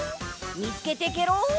みつけてケロ。